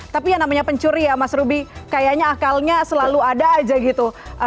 tapi yang namanya pencuri ya mas ruby kayaknya akalnya selalu ada aja gitu